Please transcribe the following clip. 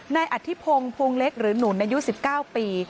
ในอธิพงศ์ภูมิเล็กหรือนุรนายุ๑๙ปี